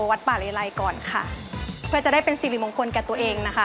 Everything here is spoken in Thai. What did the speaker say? วัดป่าเลไลก่อนค่ะเพื่อจะได้เป็นสิริมงคลแก่ตัวเองนะคะ